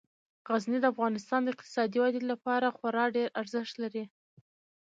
غزني د افغانستان د اقتصادي ودې لپاره خورا ډیر ارزښت لري.